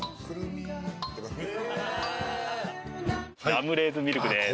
ラムレーズンミルクです。